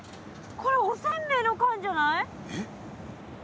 これおせんべいの缶じゃない？えっ？